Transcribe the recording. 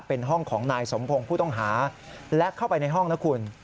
เป็นห้องของนายสมพงศ์ผู้ต้องหาและเข้าไปในห้องนะคุณ